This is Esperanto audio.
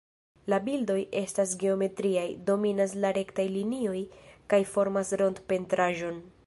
La bildoj estas geometriaj, dominas la rektaj linioj kaj formas rond-pentraĵon.